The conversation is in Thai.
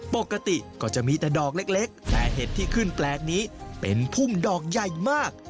ปกติก็จะมีแต่ดอกเล็กแต่เห็ดที่ขึ้นแปลกนี้เป็นพุ่มดอกใหญ่มาก